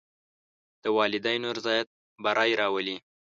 د والدینو رضایت بری راولي.